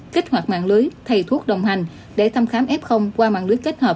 kích hoạt mạng lưới thầy thuốc đồng hành để thăm khám f qua mạng lưới kết hợp